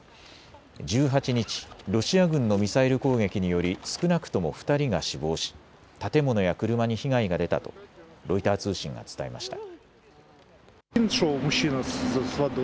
１８日、ロシア軍のミサイル攻撃により少なくとも２人が死亡し建物や車に被害が出たとロイター通信が伝えました。